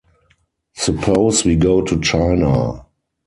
Suppose we go to China.